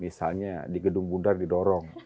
misalnya di gedung bundar didorong